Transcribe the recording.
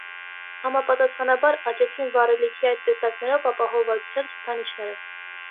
Համապատասխանաբար աճեցին վառելիքի այդ տեսակներով ապահովվածության ցուցանիշները։